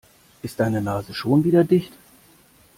Ist deine Nase schon wieder dicht?